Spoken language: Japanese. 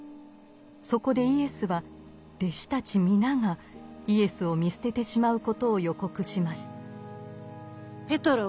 そこでイエスは弟子たち皆がイエスを見捨ててしまうことを予告します。